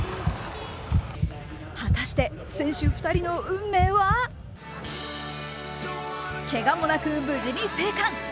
果たして、選手２人の運命はけがもなく無事に生還。